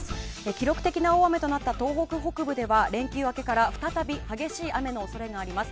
記録的な大雨となった東北北部では連休明けから再び激しい雨の恐れがあります。